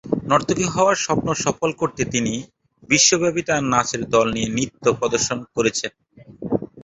নর্তকী হবার স্বপ্ন সফল করতে তিনি বিশ্বব্যাপী তাঁর নাচের দল নিয়ে নৃত্য প্রদর্শন করেছেন।